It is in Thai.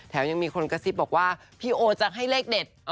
แถวมีคนอกว่าไอ้พี่โอจะให้เลขเด็ด